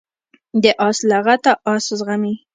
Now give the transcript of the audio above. د آس لغته آس زغمي.